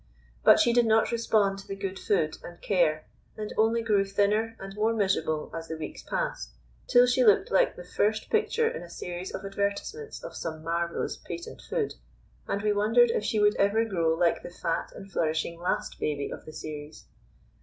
But she did not respond to the good food and care, and only grew thinner and more miserable as the weeks passed, till she looked like the first picture in a series of advertisements of some marvellous patent food, and we wondered if she would ever grow like the fat and flourishing last baby of the series.